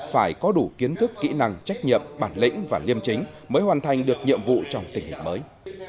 phải có đủ kiến thức kỹ năng trách nhiệm bản lĩnh và liêm chính mới hoàn thành được nhiệm vụ trong tình hình mới